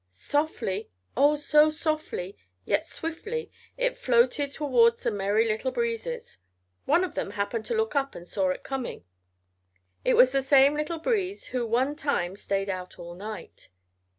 Softly, oh so softly, yet swiftly, it floated over towards the Merry Little Breezes. One of them happened to look up and saw it coming. It was the same Little Breeze who one time stayed out all night.